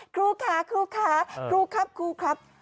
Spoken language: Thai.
ครูค่ะครูคะครูครับครูครับ